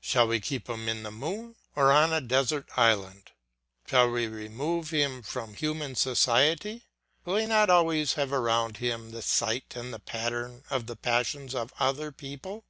Shall we keep him in the moon, or on a desert island? Shall we remove him from human society? Will he not always have around him the sight and the pattern of the passions of other people?